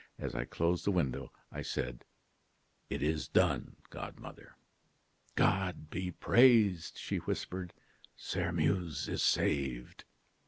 As I closed the window, I said: "'It is done, godmother.' "'God be praised!' she whispered; 'Sairmeuse is saved!